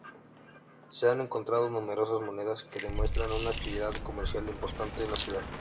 Se han encontrado numerosas monedas que demuestran una actividad comercial importante en la ciudad.